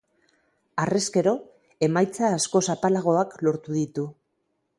Harrezkero emaitza askoz apalagoak lortu ditu.